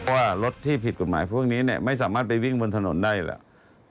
ว่ารถที่ผิดกฎหมายพวกนี้ไม่สามารถไปวิ่งบนถนนได้แล้ว